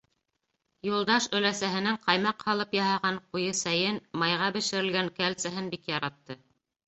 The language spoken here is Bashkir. Юлдаш өләсәһенең ҡаймаҡ һалып яһаған ҡуйы сәйен, майға бешерелгән кәлсәһен бик яратты.